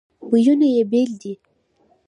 بویونه یې بیل دي.